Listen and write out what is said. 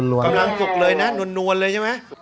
กำลังสุกเลยนะนวลเลยใช่ไหม